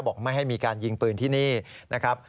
ไม่ให้มีการยิงปืนที่นี่นะครับ